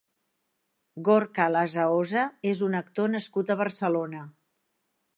Gorka Lasaosa és un actor nascut a Barcelona.